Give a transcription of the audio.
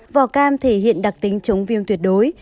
vỏ cam thể hiện đặc tính chống viêm tuyệt đối